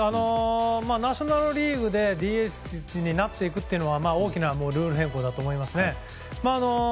ナショナル・リーグでＤＨになっていくというのは大きなルール変更だと思いますね。